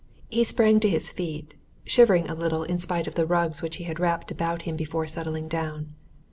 He sprang to his feet, shivering a little in spite of the rugs which he had wrapped about him before settling down.